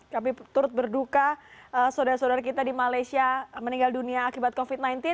kami turut berduka saudara saudara kita di malaysia meninggal dunia akibat covid sembilan belas